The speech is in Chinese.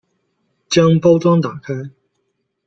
将包装打开